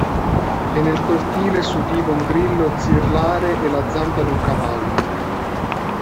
E nel cortile s'udiva un grillo zirlare e la zampa d'un cavallo.